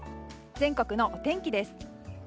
全国のお天気です。